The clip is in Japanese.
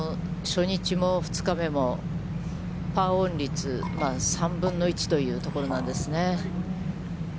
初日も２日目もパーオン率、３分の１というところなんですね。